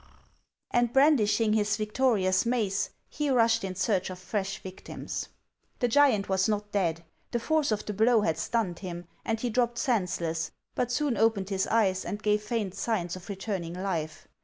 and brandishing his victorious mace, he rushed in search of fresh victims. The giant was not dead. The force of the blow had stunned him, and he dropped senseless, but soon opened his eyes, and gave faint signs of returning life.